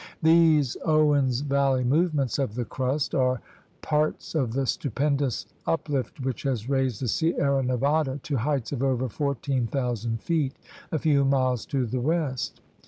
These Owens Valley movements of the crust are parts of the stupendous uplift which has raised the Sierra Nevada to heights of over 14,000 feet a few miles to the west.